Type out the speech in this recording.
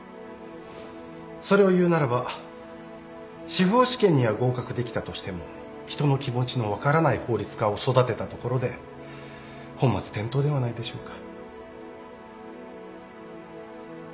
それを言うならば司法試験には合格できたとしても人の気持ちの分からない法律家を育てたところで本末転倒ではないでしょうか？